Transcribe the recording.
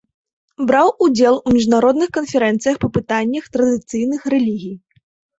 Браў удзел у міжнародных канферэнцыях па пытаннях традыцыйных рэлігій.